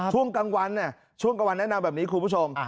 ช่วงกลางวันช่วงกลางวันแนะนำแบบนี้คุณผู้ชม